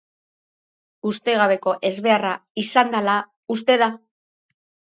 Ustekabeko ezbeharra izan dela uste da.